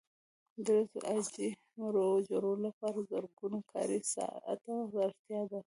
د لسو عاجي مرو جوړولو لپاره زرګونه کاري ساعته اړتیا ده.